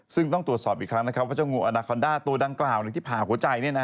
ซึ่งต้องตรวจสอบอีกครั้งนะครับว่าเจ้างูอนาคอนด้าตัวดังกล่าวที่ผ่าหัวใจ